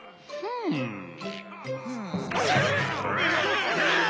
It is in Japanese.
うわ！